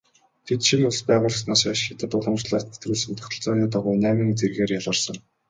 Тэд шинэ улс байгуулагдсанаас хойш хятад уламжлалаас нэвтрүүлсэн тогтолцооны дагуу найман зэргээр ялгарсан.